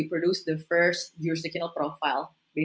kami membuat profil jurisdiksinya pertama